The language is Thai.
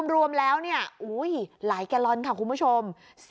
รวมแล้วหลายแกลลอนค่ะคุณผู้ชม